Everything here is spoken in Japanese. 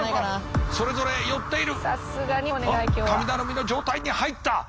神頼みの状態に入った。